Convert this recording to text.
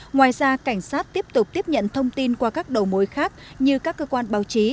ngoài ra cảnh sát tiếp tục tiếp nhận thông tin qua các đầu mối khác như các cơ quan báo chí